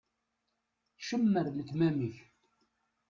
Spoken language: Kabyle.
Cemmer lekmam-ik.